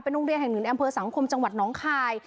โรงเรียนแห่งหนึ่งอำเภอสังคมจังหวัดน้องคาย